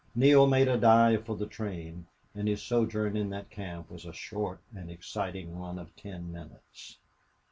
Neale made a dive for the train, and his sojourn in that camp was a short and exciting one of ten minutes.